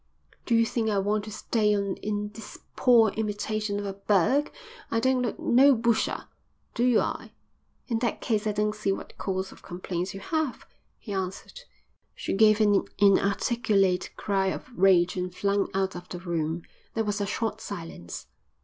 "Do you think I want to stay on in this poor imitation of a burg? I don't look no busher, do I?" "In that case I don't see what cause of complaint you have," he answered. She gave an inarticulate cry of rage and flung out of the room. There was a short silence.